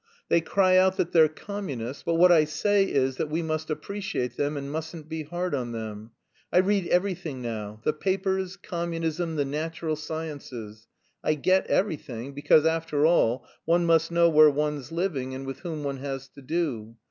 They cry out that they're communists, but what I say is that we must appreciate them and mustn't be hard on them. I read everything now the papers, communism, the natural sciences I get everything because, after all, one must know where one's living and with whom one has to do.